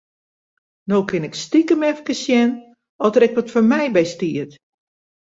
No kin ik stikem efkes sjen oft der ek wat foar my by stiet.